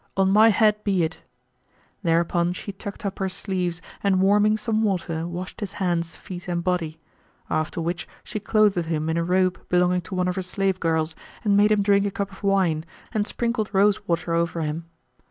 on my head be it!" Thereupon she tucked up her sleeves and warming some water, washed his hands, feet and body; after which she clothed him in a robe belonging to one of her slave girls and made him drink a cup of wine and sprinkled rose water over him.